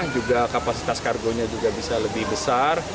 juga kapasitas kargonya juga bisa lebih besar